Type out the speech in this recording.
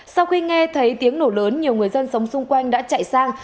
sau khi nghe thấy tiếng nổ lớn nhiều người dân sống xung quanh đã chạy sang